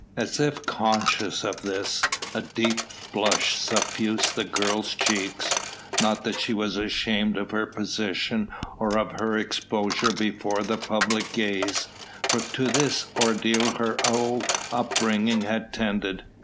As if conscious of this, a deep blush suffused the girl's cheeks. Not that she was ashamed of her position or of her exposure before the public gaze, for to this ordeal her whole upbringing had tended.